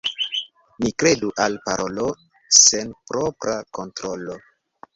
Ne kredu al parolo sen propra kontrolo.